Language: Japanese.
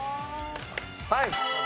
はい。